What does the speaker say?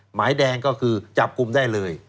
หมายแดงก็คือจับกลุ่มได้เลย